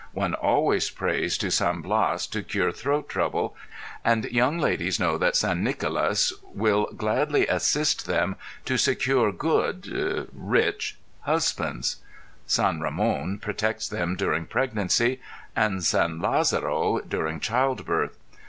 One always prays to San Blas to cure throat trouble, and young ladies know that San Nicolas with gladly assist them to secure good (rich) husbands, San Ram├│n protects them during pregnancy and San L├Īzaro during child birth.